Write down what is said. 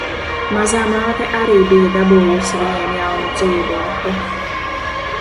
Mazā māte arī bija dabūjusi viņiem jaunu dzīvokli.